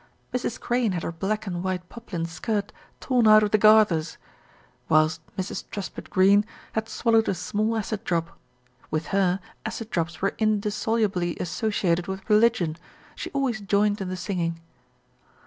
Mrs. Crane had her black and white poplin skirt "torn out of the gathers," whilst Mrs. Truspitt Greene had swallowed a small acid drop. With her, acid drops were indissolubly associated with religion: she always joined in the singing.